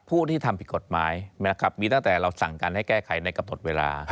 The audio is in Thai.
ผู้ที่ทำผิดกฎหมายนะครับมีตั้งแต่เราสั่งการให้แก้ไขในกำหนดเวลา